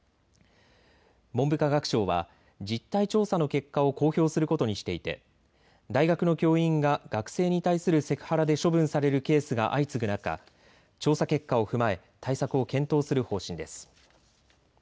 文部科学省は実態調査の結果を公表することにしていて大学の教員が学生に対するセクハラで処分されるケースが相次ぐ中、調査結果を踏まえ対策を検討する方針です。